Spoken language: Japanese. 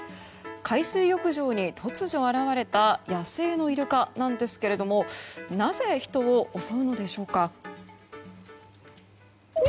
海水浴場に突如現れた野生のイルカなんですがなぜ人を襲うのでしょうか。